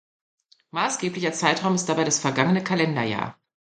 Maßgeblicher Zeitraum ist dabei das vergangene Kalenderjahr.